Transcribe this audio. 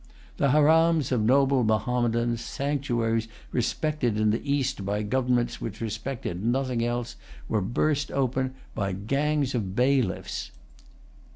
The harams of noble Mahommedans, sanctuaries respected in the East by governments which respected nothing else, were burst open by gangs of bailiffs.